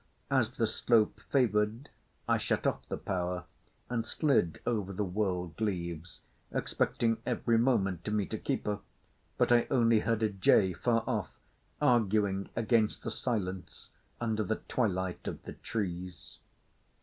As the slope favoured I shut off the power and slid over the whirled leaves, expecting every moment to meet a keeper; but I only heard a jay, far off, arguing against the silence under the twilight of the trees.